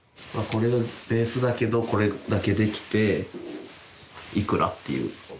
これがベースだけどこれだけできていくら？っていう。